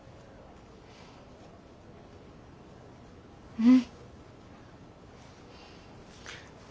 うん。